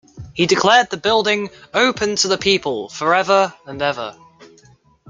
He declared the building "Open to the people for ever and ever".